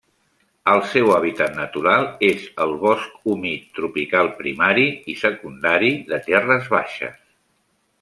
El seu hàbitat natural és el bosc humit tropical primari i secundari de terres baixes.